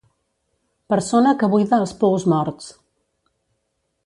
Persona que buida els pous morts.